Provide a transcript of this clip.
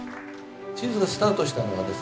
チーズがスタートしたのはですね